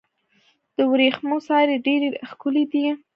د ورېښمو سارۍ ډیرې ښکلې دي.